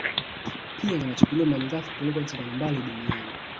Pia zinachukuliwa malighafi kupelekwa nchi mbalimbali duniani